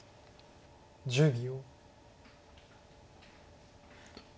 １０秒。